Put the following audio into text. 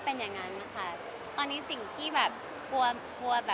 ว่าไม่เต็มอย่างคือว่าว่าไม่ต้องที่เรากลีอ่ะ